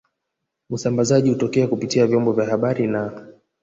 Usambazaji hutokea kupitia vyombo vya habari na